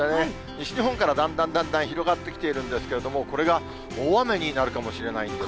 西日本からだんだんだんだん広がってきているんですけれども、これが大雨になるかもしれないんです。